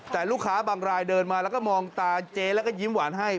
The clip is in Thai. แต่ลูกค้าบางรายเดินมาแล้วก็มองตาเจ๊แล้วก็ยิ้มหวานให้